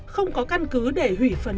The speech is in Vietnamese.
không có căn cứ để hủy phần